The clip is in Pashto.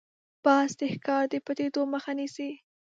باز د ښکار د پټېدو مخه نیسي